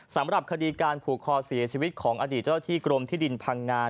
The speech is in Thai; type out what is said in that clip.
สำหรับคดีการผูกคอเสียชีวิตของอดีตเจ้าที่กรมที่ดินพังงา